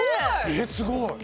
えっすごい。